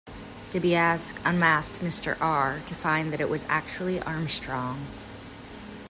Dibiase unmasked Mr R. to find that it was actually Armstrong.